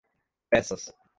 peças